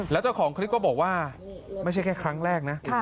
แล้วเจ้าของคลิปก็บอกว่าไม่ใช่แค่ครั้งแรกนะ